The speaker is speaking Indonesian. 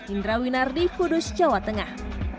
indra winardi kudus jawa tengah